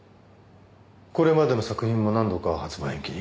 これまでの作品も何度か発売延期に？